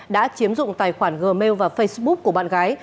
đã chiếm dụng tài khoản gmail và facebook của bạn gái